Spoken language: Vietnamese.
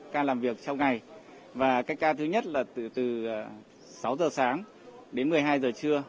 ca làm việc sau ngày và các ca thứ nhất là từ sáu giờ sáng đến một mươi hai giờ trưa